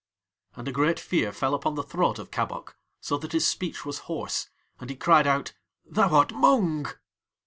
And a great fear fell upon the throat of Kabok, so that his speech was hoarse; and he cried out: "Thou art Mung!"